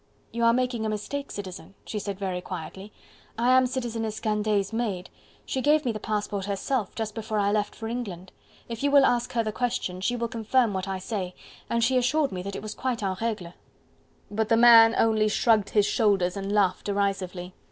"You are making a mistake, Citizen," she said very quietly. "I am Citizeness Candeille's maid. She gave me the passport herself, just before I left for England; if you will ask her the question, she will confirm what I say, and she assured me that it was quite en regle." But the man only shrugged his shoulders and laughed derisively.